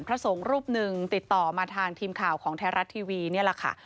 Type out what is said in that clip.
พระสงฆ์รูปหนึ่งติดต่อมาทางทีมข่าวของไทยรัฐทีวีนี่แหละค่ะ